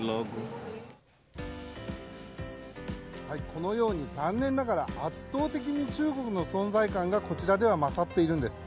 このように残念ながら圧倒的に中国の存在感がこちらでは勝っているんです。